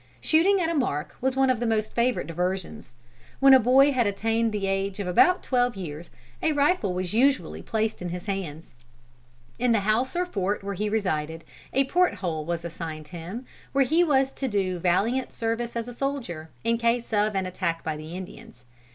Shooting at a mark was one of the most favorite diversions. When a boy had attained the age of about twelve years, a rifle was usually placed in his hands. In the house or fort where he resided, a port hole was assigned him, where he was to do valiant service as a soldier, in case of an attack by the Indians.